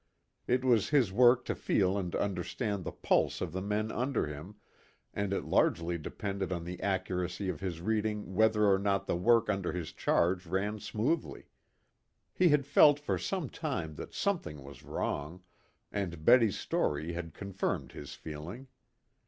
It was his work to feel and understand the pulse of the men under him, and it largely depended on the accuracy of his reading whether or not the work under his charge ran smoothly. He had felt for some time that something was wrong, and Betty's story had confirmed his feeling.